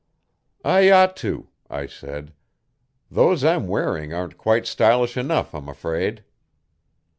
'I ought to,' I said. 'Those I'm wearing aren't quite stylish enough, I'm afraid.'